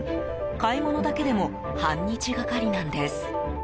買い物だけでも半日がかりなんです。